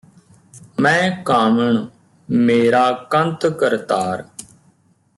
ਮੈ ਕਾਮਣਿ ਮੇਰਾ ਕੰਤੁ ਕਰਤਾਰੁ